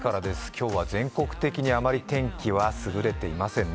今日は全国的にあまり天気はすぐれていませんね。